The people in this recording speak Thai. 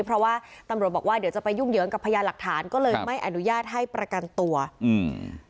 เพราะว่าตำรวจบอกว่าเดี๋ยวจะไปยุ่งเหยิงกับพยานหลักฐานก็เลยไม่อนุญาตให้ประกันตัวอืม